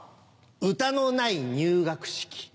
歌のない入学式。